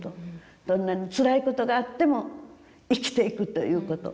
どんなに辛いことがあっても生きていくということ。